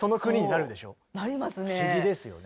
不思議ですよね。